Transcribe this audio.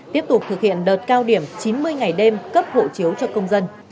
tiếp tục thực hiện đợt cao điểm chín mươi ngày đêm cấp hộ chiếu cho công dân